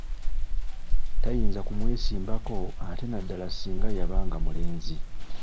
Tayinza kumwesimbako ate naddala ssinga yabanga mulenzi.